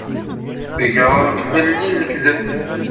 Tegreḍ-d fell-i lekdeb?